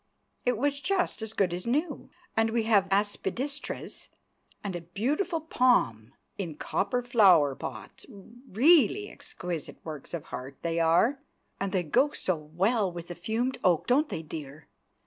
It was just as good as new. And we have aspidistras and a beautiful palm in copper flower pots—really exquisite works of art they are; and they go so well with the fumed oak, don't they, dear?"